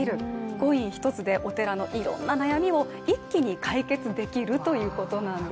コイン一つでお寺のいろんな悩みを一気に解決できるということなんです。